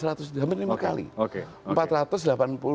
sehingga defisit begitu ya